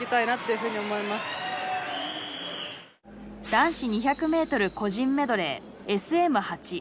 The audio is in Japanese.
男子２００ｍ個人メドレーＳＭ８。